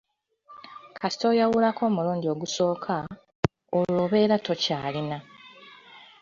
Kasita oyawulako omulundi ogusooka, olwo obeera tokyalina.